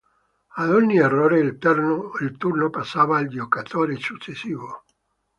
Ad ogni errore il turno passava al giocatore successivo.